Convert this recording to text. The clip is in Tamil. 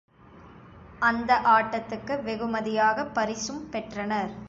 அந்த ஆட்டத்துக்கு வெகுமதியாகப் பரிசும் பெற்றனர்.